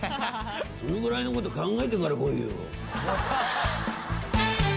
そのぐらいのこと考えてから来いよ。